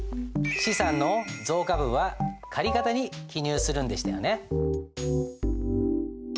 資産の増加分は借方に記入するんでしたよね。